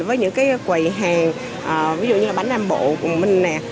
với những quầy hàng ví dụ như bánh nam bộ của mình